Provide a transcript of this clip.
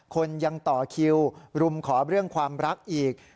คนยังต่อคิวรุมขอเรื่องความรักอีก